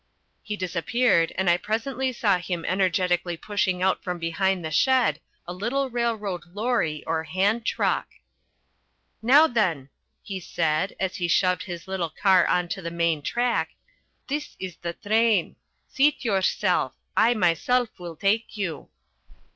He disappeared and I presently saw him energetically pushing out from behind the shed a little railroad lorry or hand truck. "Now then," he said as he shoved his little car on to the main track, "this is the train. Seat yourself. I myself will take you."